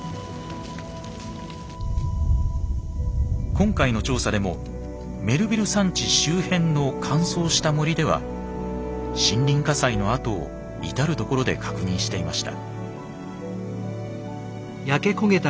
今回の調査でもメルヴィル山地周辺の乾燥した森では森林火災の跡を至る所で確認していました。